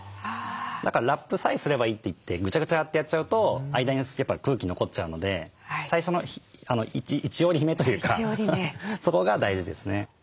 だからラップさえすればいいといってぐちゃぐちゃってやっちゃうと間に空気残っちゃうので最初の一折り目というかそこが大事ですね。